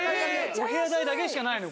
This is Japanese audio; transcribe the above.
お部屋代だけしかないのよ